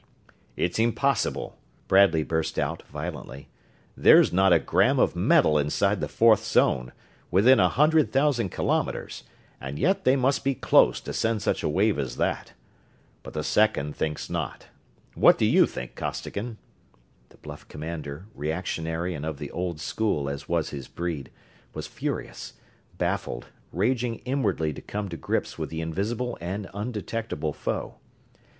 "It's impossible!" Bradley burst out, violently. "There's not a gram of metal inside the fourth zone within a hundred thousand kilometers and yet they must be close to send such a wave as that. But the Second thinks not what do you think, Costigan?" The bluff commander, reactionary and of the old school as was his breed, was furious baffled, raging inwardly to come to grips with the invisible and undetectable foe.